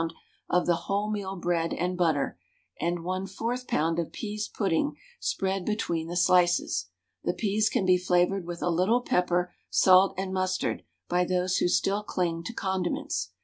of the wholemeal bread and butter, and a 1/4 lb. of peas pudding spread between the slices. The peas can be flavoured with a little pepper, salt, and mustard by those who still cling to condiments.